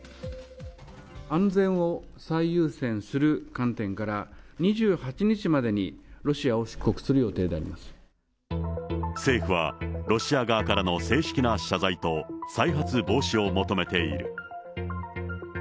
安全を最優先する観点から、２８日までにロシアを出国する予政府は、ロシア側からの正式な謝罪と、再発防止を求めている。